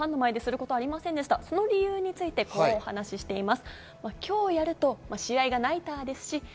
その理由について、こう話しています。